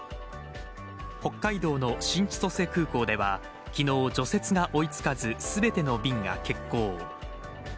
北海道の新千歳空港では昨日、除雪が追いつかず全ての便が欠航。